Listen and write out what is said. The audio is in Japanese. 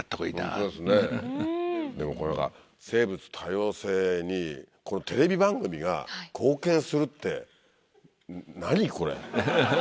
ホントですねでもこれが生物多様性にテレビ番組が貢献するって何これ？